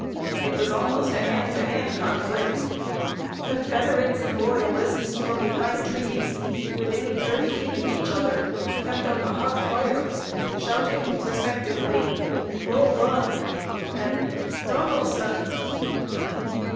It was almost a hand to hand conflict. Confederates and Loyalists, from behind trees, within thirty feet of each other, kept up a hot fire, shouting respectively, "Bull Run!" and "Donelson!"